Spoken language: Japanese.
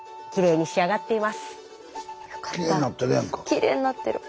きれいに仕上がっています。よかった。